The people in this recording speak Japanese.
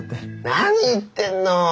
何言ってんの。